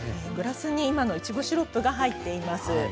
グラスに今のいちごシロップが入っています。